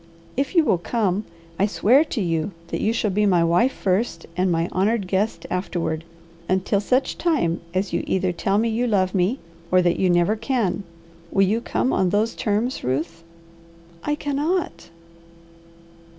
If you will come, I swear to you that you shall be my wife first, and my honoured guest afterward, until such time as you either tell me you love me or that you never can. Will you come on those terms, Ruth?" "I cannot!"